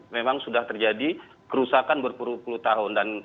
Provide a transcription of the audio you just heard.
memang sudah terjadi kerusakan berpuluh puluh tahun